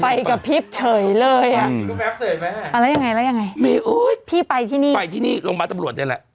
ไฟกระพริบเฉยเลยอ่ะแล้วยังไงพี่ไปที่นี่ไปที่นี่โรงพยาบาลตำรวจนี่แหละ